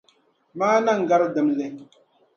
Maana n-gari dimli.